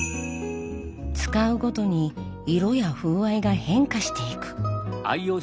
使うごとに色や風合いが変化していく。